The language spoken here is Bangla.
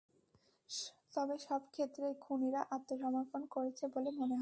তবে সব ক্ষেত্রেই খুনিরা আত্মসমর্পণ করেছে বলে মনে হচ্ছে।